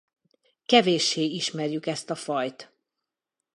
Kevéssé ismerjük ezt a fajt.